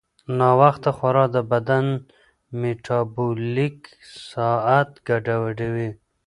ناوخته خورا د بدن میټابولیک ساعت ګډوډوي.